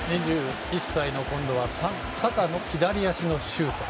２１歳のサカの左足のシュート。